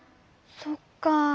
そっか。